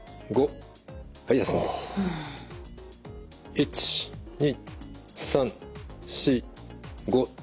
１２３４５。